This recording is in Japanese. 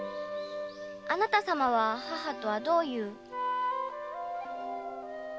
あなたさまは母とはどういう？